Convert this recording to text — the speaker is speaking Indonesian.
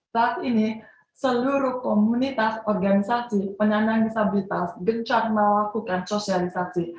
saat ini seluruh komunitas organisasi penyandang disabilitas gencar melakukan sosialisasi